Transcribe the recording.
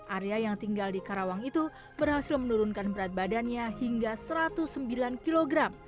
arya yang tinggal di karawang itu berhasil menurunkan berat badannya hingga satu ratus sembilan kg